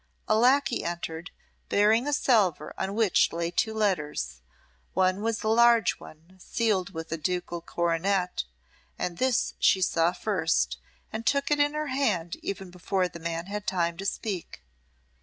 A lacquey entered, bearing a salver on which lay two letters. One was a large one, sealed with a ducal coronet, and this she saw first, and took in her hand even before the man had time to speak.